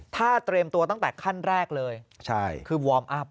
ถ้าเตรียมตัวตั้งแต่ขั้นแรกเลยคือวอร์มอัพ